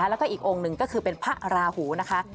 แล้วก็อีกองค์หนึ่งก็คือเป็นพระราหูนะคะ